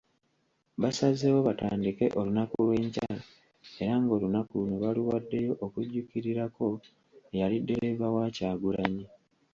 Basazeewo batandike olunaku lw'enkya era ng'olunaku luno baluwaddewo okujjukirirako eyali ddereeva wa Kyagulanyi.